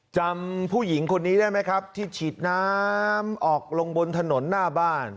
จำผู้หญิงคนนี้ได้ไหมครับที่ฉีดน้ำออกลงบนถนนหน้าบ้าน